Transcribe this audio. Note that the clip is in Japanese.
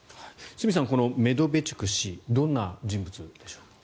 角さん、メドベチュク氏どんな人物でしょうか。